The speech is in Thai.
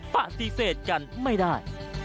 ปะซีเศษกันไม่ได้